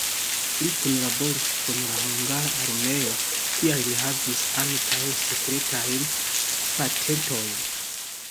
Li kunlaboris kun la hungara armeo, tial li havis ankaŭ sekretajn patentojn.